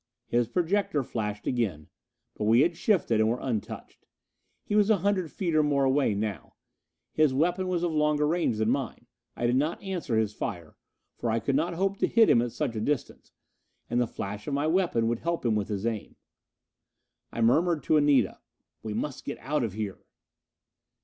His projector flashed again. But we had again shifted, and were untouched. He was a hundred feet or more away now. His weapon was of longer range than mine. I did not answer his fire, for I could not hope to hit him at such a distance, and the flash of my weapon would help him with his aim. I murmured to Anita, "We must get out of here."